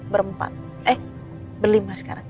berenpah eh berlimpah sekarang